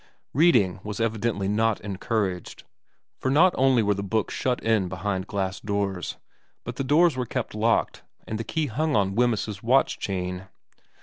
Reading was evidently not encouraged, for not only were the books shut in behind glass doors, but the doors were kept locked and the key hung on Wemyss's watch chain.